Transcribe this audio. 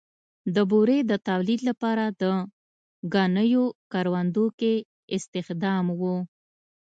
د بورې د تولید لپاره د ګنیو کروندو کې استخدام و.